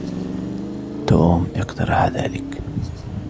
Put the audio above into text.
توم أقترحَ ذَلك.